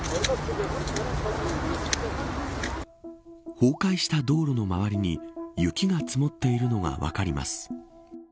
崩壊した道路の周りに雪が積もっているのが分かります。